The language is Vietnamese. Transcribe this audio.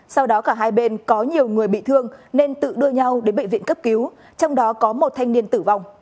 sau đó cả hai bên có nhiều người bị thương nên tự đưa nhau đến bệnh viện cấp cứu trong đó có một thanh niên tử vong